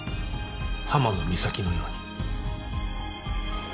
浜野美咲のように。